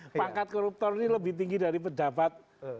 dan pangkat koruptor ini lebih tinggi dari pejabat